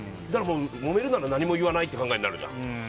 もめるなら何も言わないって考えになるじゃん。